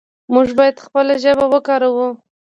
موږ باید خپله ژبه وکاروو.